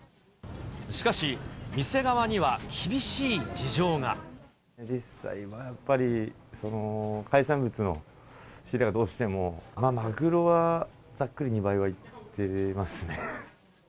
しかし、店側には厳しい事情実際はやっぱり、海産物の仕入れがどうしても、マグロはざっくり２倍はいってますね。